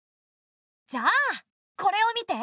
じゃあこれを見て。